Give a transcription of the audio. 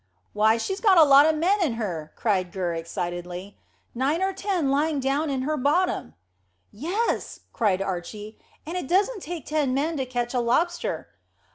"Why, she's got a lot of men in her," cried Gurr excitedly; "nine or ten lying down in her bottom." "Yes," cried Archy; "and it doesn't take ten men to catch a lobster."